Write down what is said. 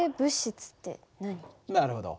なるほど。